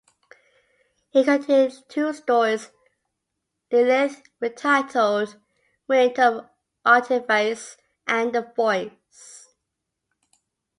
It contained two stories: "Lilith", retitled "Winter of Artifice" and "The Voice".